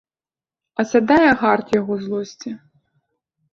Асядае гарт яго злосці.